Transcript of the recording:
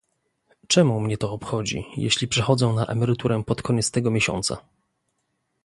Czemu mnie to obchodzi, jeśli przechodzę na emeryturę pod koniec tego miesiąca?